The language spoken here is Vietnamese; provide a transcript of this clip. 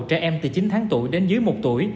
trẻ em từ chín tháng tuổi đến dưới một tuổi